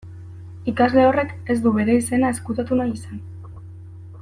Ikasle horrek ez du bere izena ezkutatu nahi izan.